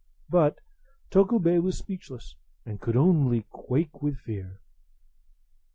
But Tokubei was speechless, and could only quake with fear.